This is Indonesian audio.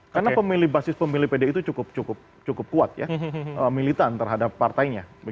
karena basis pemilih pd itu cukup kuat ya militan terhadap partainya